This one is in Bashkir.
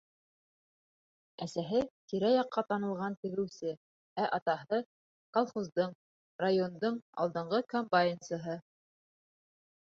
Әсәһе — тирә-яҡта танылған тегеүсе, ә атаһы — колхоздың, райондың алдынғы комбайнсыһы.